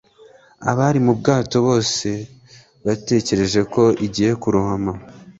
abari mu bwato bose batekereje ko igiye kurohama